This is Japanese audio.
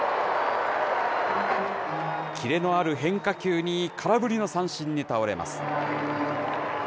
キレのある変化球に、空振りの三振に倒れます。